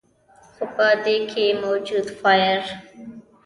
خو پۀ دې کښې موجود فائبر ،